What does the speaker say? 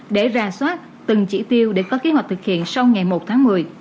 để ra soát từng chỉ tiêu để có kế hoạch thực hiện sau ngày một tháng một mươi